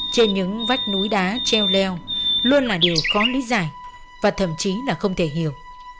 trên những vách núi đá treo leo luôn là điều khó lý giải và thậm chí là không thể hiểu